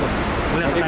nanti dia bersin aja